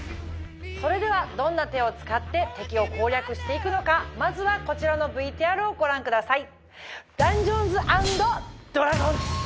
それではどんな手を使って敵を攻略していくのかまずはこちらのＶＴＲをご覧ください。